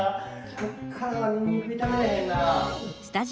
こっからはニンニク炒めれへんな。